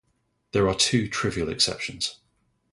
There are two trivial exceptions.